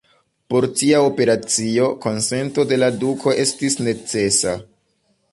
Por tia operacio, konsento de la duko estis necesa.